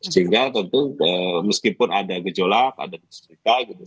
sehingga tentu meskipun ada gejolak ada di serika gitu